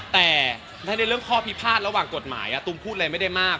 แต่ถ้าในเรื่องข้อพิพาทระหว่างกฎหมายตูมพูดอะไรไม่ได้มาก